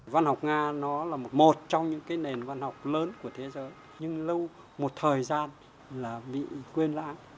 văn học nga là một trong những nền văn học lớn của thế giới nhưng lâu một thời gian bị quên lãng